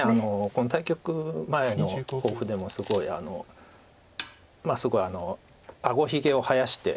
この対局前の抱負でもすごいあごひげを生やして。